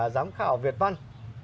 giám khảo việt văn